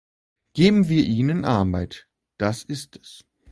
Geben wir ihnen Arbeit, das ist es!